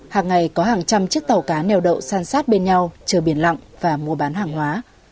hàng ngày có hàng trăm chiếc tàu cá neo đậu san sát bên nhau chờ biển lặng và mua bán hàng hóa